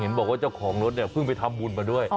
บอกว่าเจ้าของรถเนี่ยเพิ่งไปทำบุญมาด้วย